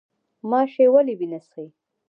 ماشی ولې وینه څښي؟